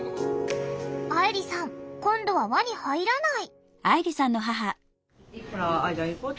あいりさん今度は輪に入らない。